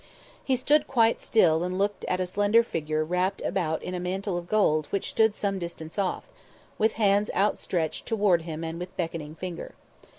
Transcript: He stood quite still and looked at a slender figure wrapt about in a mantle of gold which stood some distance off, with hands outstretched toward him and with beckoning finger.